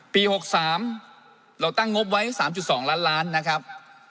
๖๓เราตั้งงบไว้๓๒ล้านล้านนะครับ